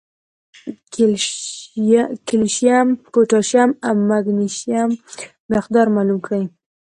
کېلشیم ، پوټاشیم او مېګنيشم مقدار معلوم کړي